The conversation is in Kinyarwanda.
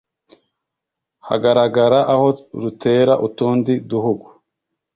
hagaragara aho rutera utundi duhugu.